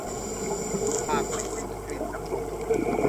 ปากไม่สิ้นกลิ่นน้ำนม